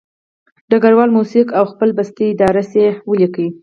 ډګروال موسک و او خپل پستي ادرس یې ولیکه